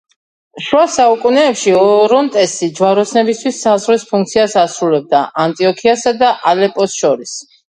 შუა საუკუნეებში ორონტესი ჯვაროსნებისთვის საზღვრის ფუნქციას ასრულებდა ანტიოქიასა და ალეპოს შორის.